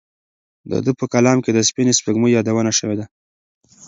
د ده په کلام کې د سپینې سپوږمۍ یادونه شوې ده.